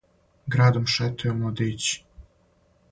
Градом шетају младићи.